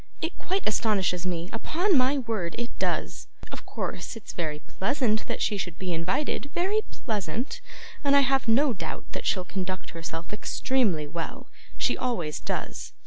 It quite astonishes me, upon my word it does. Of course it's very pleasant that she should be invited, very pleasant, and I have no doubt that she'll conduct herself extremely well; she always does.